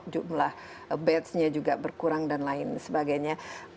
jumlah bedsnya juga berkurang dan lain sebagainya